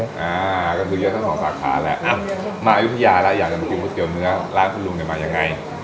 ร้านคุณลุงเนี่ยมายังไง